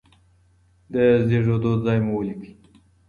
د زیږیدو ځای مو ولیکئ.